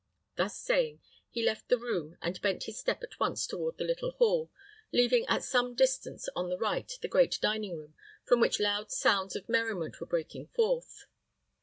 Thus saying, he left the room, and bent his steps at once toward the little hall, leaving at some distance on the right the great dining hall, from which loud sounds of merriment were breaking forth.